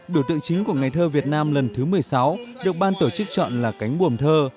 biểu tượng chính của ngày thơ việt nam lần thứ một mươi sáu được ban tổ chức chọn là cánh buồm thơ